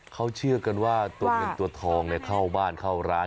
เขาเชื่อกันว่าตัวเงินตัวทองเข้าบ้านเข้าร้าน